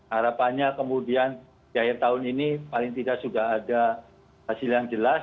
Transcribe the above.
harapannya kemudian di akhir tahun ini paling tidak sudah ada hasil yang jelas